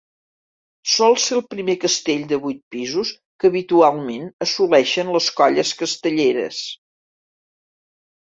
Sol ser el primer castell de vuit pisos que habitualment assoleixen les colles castelleres.